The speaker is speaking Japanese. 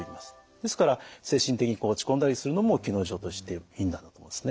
ですから精神的にこう落ち込んだりするのも気の異常としていいんだと思いますね。